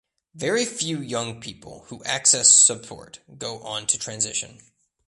Very few young people who access support go on to transition.